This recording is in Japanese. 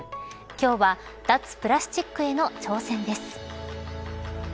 今日は脱プラスチックへの挑戦です。